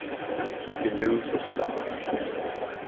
Deneuve's a star.